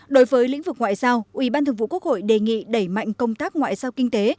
đối với lĩnh vực ngoại giao ủy ban thường vụ quốc hội đề nghị đẩy mạnh công tác ngoại giao kinh tế